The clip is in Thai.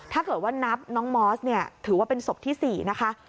ถ้าเกิดว่านับน้องมอสเนี่ยถือว่าเป็นศพที่๔นะคะ